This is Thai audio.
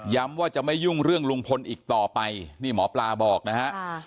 ว่าจะไม่ยุ่งเรื่องลุงพลอีกต่อไปนี่หมอปลาบอกนะฮะ